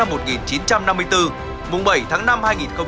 mùng bảy tháng năm hai nghìn hai mươi bốn